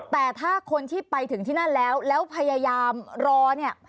แต่ถ้าคนที่ไปถึงที่นั่นแล้วแล้วพยายามรอเนี่ย